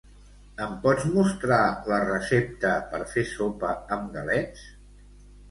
Em pots mostrar la recepta per fer sopa amb galets?